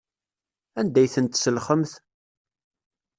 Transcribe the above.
Anda ay tent-tselxemt?